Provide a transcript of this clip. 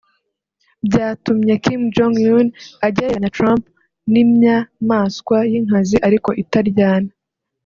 Byatumye Kim Jong Un agereranya Trump n’ imyamaswa y’ inkazi ariko itaryana